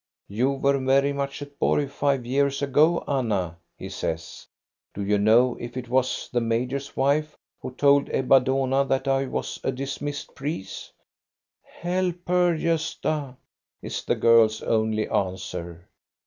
"You were much at Borg five years ago, Anna," he says. " Do you know if it was the major's wife who told Ebba Dohna that I was a dismissed priest ?"" Help her, Gosta! " is the girl's only answer.